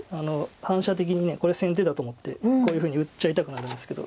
反射的にこれ先手だと思ってこういうふうに打っちゃいたくなるんですけど。